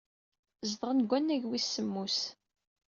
Zedɣen deg wannag wis semmus.